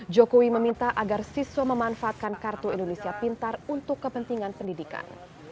jokowi meminta agar siswa memanfaatkan kartu indonesia pintar untuk kepentingan pendidikan